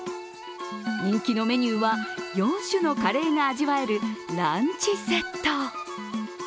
人気のメニューは、４種のカレーが味わえるランチセット。